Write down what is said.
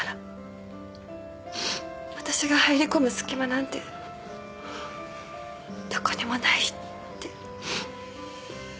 私が入り込む隙間なんてどこにもないって。